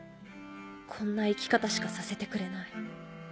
こんな生き方しかさせてくれない。